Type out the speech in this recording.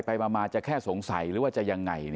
ไปมาจะแค่สงสัยหรือว่าจะยังไง